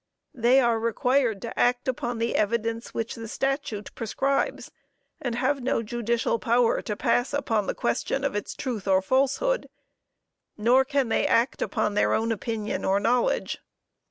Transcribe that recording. They are required to act upon the evidence which the statute prescribes, and have no judicial power to pass upon the question of its truth or falsehood; nor can they act upon their own opinion or knowledge.